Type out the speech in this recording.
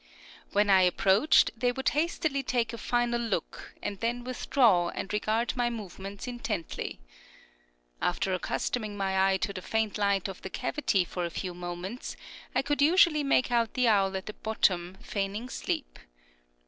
When I approached they would hastily take a final look, and then withdraw and regard my movements intently. After accustoming my eye to the faint light of the cavity for a few moments, I could usually make out the owl at the bottom feigning sleep.